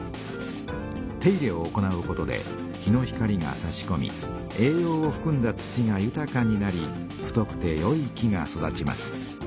手入れを行うことで日の光がさしこみ栄養をふくんだ土がゆたかになり太くてよい木が育ちます。